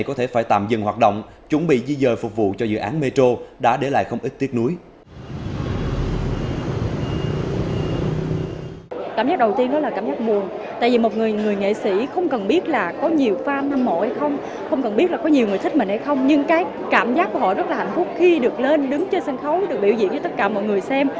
cảm giác đầu tiên đó là cảm giác buồn tại vì một người nghệ sĩ không cần biết là có nhiều fan hâm mộ hay không không cần biết là có nhiều người thích mình hay không nhưng cái cảm giác của họ rất là hạnh phúc khi được lên đứng trên sân khấu được biểu diễn cho tất cả mọi người xem